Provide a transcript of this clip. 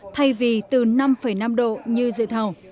thay vì từ năm năm độ như dự thảo